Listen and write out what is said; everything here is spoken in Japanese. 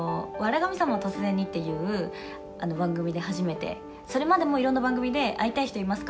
神様は突然にっていう番組で初めて、それまでもいろんな番組で会いたい人いますか？